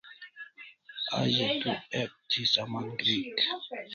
A ze tu ek thi saman grik